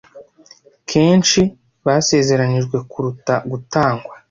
kenshi basezeranijwe kuruta gutangwa